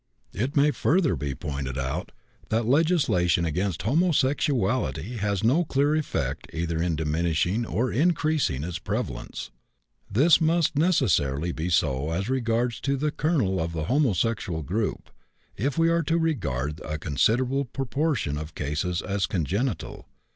It may further be pointed out that legislation against homosexuality has no clear effect either in diminishing or increasing its prevalence. This must necessarily be so as regards the kernel of the homosexual group, if we are to regard a considerable proportion of cases as congenital.